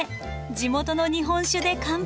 地元の日本酒で乾杯。